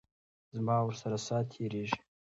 زما ورسره ساعت تیریږي.